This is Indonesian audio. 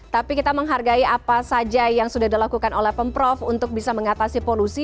tapi kita menghargai apa saja yang sudah dilakukan oleh pemprov untuk bisa mengatasi polusi